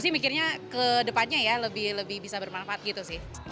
sih mikirnya ke depannya ya lebih bisa bermanfaat gitu sih